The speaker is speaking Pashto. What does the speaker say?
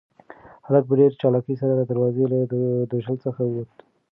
هلک په ډېر چالاکۍ سره د دروازې له درشل څخه ووت.